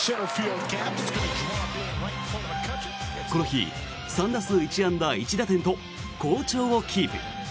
この日、３打数１安打１打点と好調をキープ。